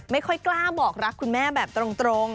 ไม่ค่อยกล้าบอกรักคุณแม่แบบตรง